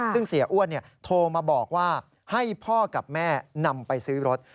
ซึ่งเสียอ้วนโทรมาบอกว่าให้พ่อกับแม่นำไปซื้อรถ